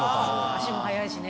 足も速いしね。